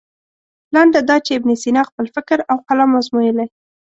لنډه دا چې ابن سینا خپل فکر او قلم ازمویلی.